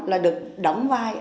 là được đóng vai